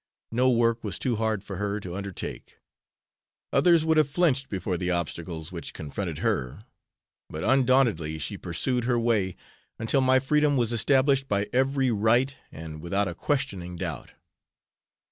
No work was too hard for her to undertake. Others would have flinched before the obstacles which confronted her, but undauntedly she pursued her way, until my freedom was established by every right and without a questioning doubt!